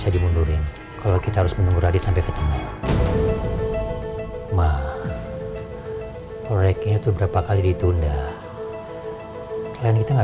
yaudah kita langsung pulang aja ya